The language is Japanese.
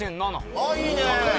ああいいね。